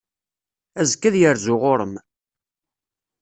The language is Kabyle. Azekka ad yerzu ɣur-m.